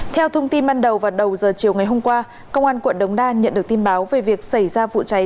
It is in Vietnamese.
theo thông tin ban đầu vào đầu giờ chiều ngày hôm qua công an quận đống đa nhận được tin báo về việc xảy ra vụ cháy